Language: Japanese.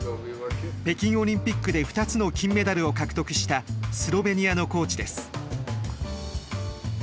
北京オリンピックで２つの金メダルを獲得したスロベニアのコーチです。